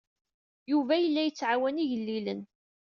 Yuba yella yettɛawan igellilen.